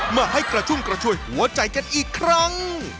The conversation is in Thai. มาให้กระชุ่มกระชวยหัวใจกันอีกครั้ง